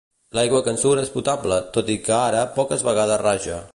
L'aigua que en surt és potable, tot i que ara poques vegades raja.